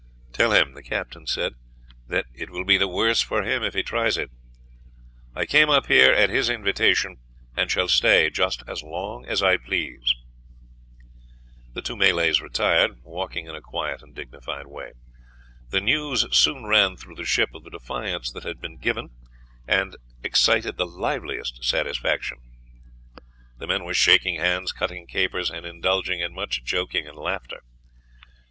"Tell him," the captain said, "that it will be the worse for him if he tries it. I came up here at his invitation, and shall stay just as long as I please." The two Malays retired, walking in a quiet and dignified way. The news soon ran through the ship of the defiance that had been given, and excited the liveliest satisfaction. The men were shaking hands, cutting capers, and indulging in much joking and laughter.